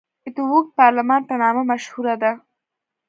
د اوږد پارلمان په نامه مشهوره ده.